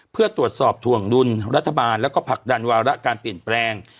เพื่อตรวจสอบถวงดุลรัฐบาลแล้วก็ผลักดันวาระการเปลี่ยนแปลง